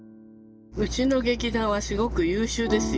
うちの劇団はすごく優秀ですよ